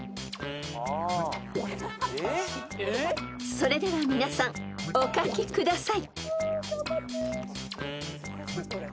［それでは皆さんお書きください］